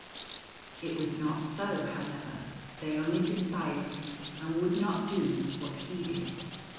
It was not so, how ever ; they only despised him and would not do what he did.